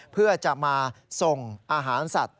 เพื่อจะมาส่งอาหารสัตว์